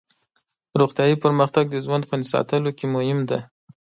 روغتیایي پرمختګ د ژوند خوندي ساتلو کې مهم دی.